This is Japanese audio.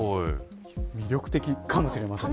魅力的かもしれません。